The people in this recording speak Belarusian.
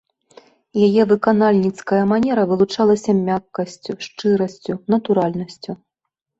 Яе выканальніцкая манера вылучалася мяккасцю, шчырасцю, натуральнасцю.